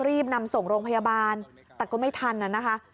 รีบนำส่งโรงพยาบาลแต่ก็ไม่ทันนะคะ